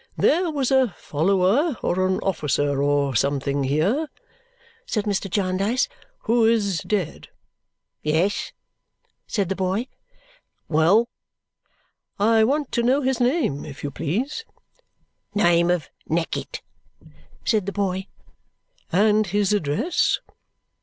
"There was a follower, or an officer, or something, here," said Mr. Jarndyce, "who is dead." "Yes?" said the boy. "Well?" "I want to know his name, if you please?" "Name of Neckett," said the boy. "And his address?"